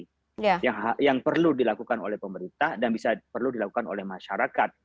kemudian di akhir biasanya mui memberikan rekomendasi yang perlu dilakukan oleh pemerintah dan bisa perlu dilakukan oleh masyarakat